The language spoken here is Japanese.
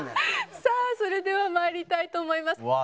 さあそれでは参りたいと思います。